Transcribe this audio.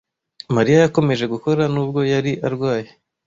Mariya yakomeje gukora nubwo yari arwaye.